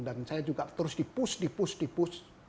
dan saya juga terus di push di push di push